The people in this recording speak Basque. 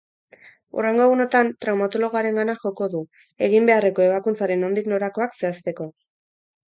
Hurrengo egunotan traumatologoarengana joko du, egin beharreko ebakuntzaren nondik norakoak zehazteko.